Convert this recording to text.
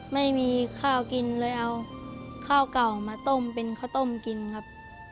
ไม่มีข้าวกินเลยเอาข้าวเก่ามาต้มเป็นข้าวต้มกินครับ